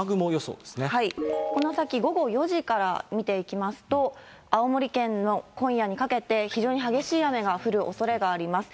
この先、午後４時から見ていきますと、青森県、今夜にかけて、非常に激しい雨が降るおそれがあります。